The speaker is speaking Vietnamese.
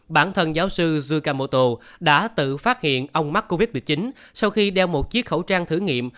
bản thân giáo sư zukamoto đã tự phát hiện ông mắc covid một mươi chín sau khi đeo một chiếc khẩu trang thử nghiệm